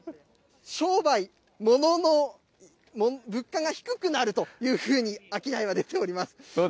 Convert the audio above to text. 商売、物価が低くなるというふうに商いは出ております。